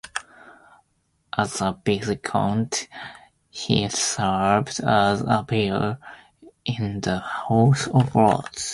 As a Viscount, he served as a peer in the House of Lords.